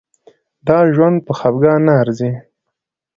دا ژوند په خفګان نه ارزي.